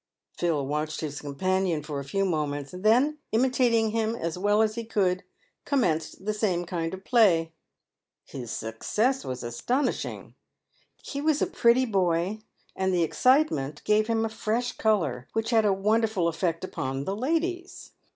Phil watched his companion for a few moments, and then, imitating him as well as he could, he commenced the same kind of play. His success was astonishing. He was a pretty boy, and the ex citement gave him a fresh colour, which had a wonderful effect upon the ladies.